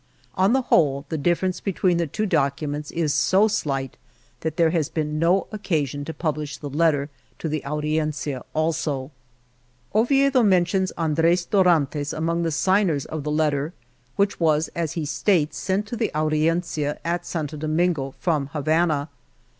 On the whole, the difference between the two documents is so slight that there has been no occasion to publish the Letter to the Audiencia also. xv INTRODUCTION Oviedo mentions Andres Dorantes among the signers of the Letter, which was, as he states, sent to the Audiencia at Santo Do mingo from Havana.